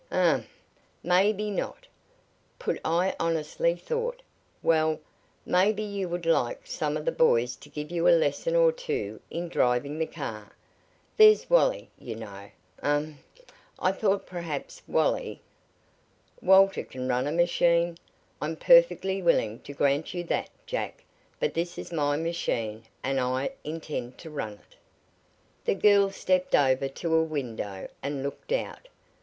"Um! Maybe not. Put I honestly thought well, maybe you would like some of the boys to give you a lesson or two in driving the new car. There's Wally, you know. Ahem! I thought perhaps Wally " "Walter can run a machine I'm perfectly willing to grant you that, Jack. But this is my machine, and I intend to run it." The girl stepped over to a window and looked out.